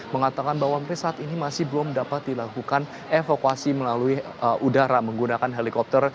mengatakan bahwa saat ini masih belum dapat dilakukan evakuasi melalui udara menggunakan helikopter